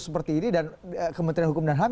seperti ini dan kementerian hukum dan ham